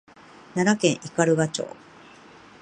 奈良県斑鳩町